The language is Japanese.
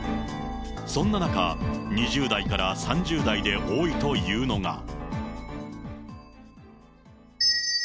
そんな中、２０代から３０代で多いというのが。